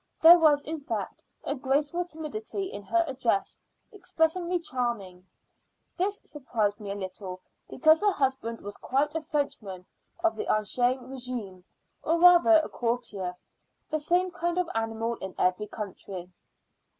There was, in fact, a graceful timidity in her address, inexpressibly charming. This surprised me a little, because her husband was quite a Frenchman of the ancien régime, or rather a courtier, the same kind of animal in every country.